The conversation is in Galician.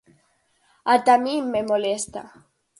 ¡Ata a min me molesta!